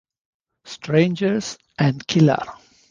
Strangers and Killer.